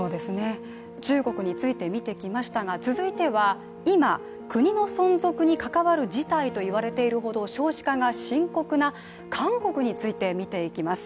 中国について見てきましたが続いては、今国の存続に関わる事態と言われているほど少子化が深刻な韓国について見ていきます。